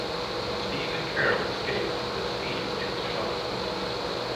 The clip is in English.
Steve and Carol escape but Steve gets shot.